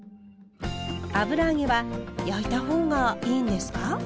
油揚げは焼いた方がいいんですか？